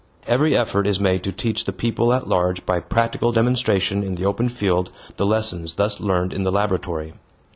Every effort is made to teach the people at large by practical demonstration in the open field the lessons thus learned in the laboratory.